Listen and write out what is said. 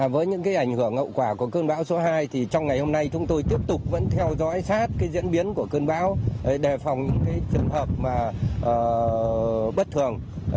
với những ảnh hưởng hậu quả của cơn bão số hai thì trong ngày hôm nay chúng tôi tiếp tục vẫn theo dõi sát diễn biến của cơn bão đề phòng những trường hợp bất thường